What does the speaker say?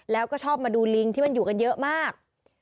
แล้วก็ชอบมาดูลิงที่มันอยู่กันเยอะมาก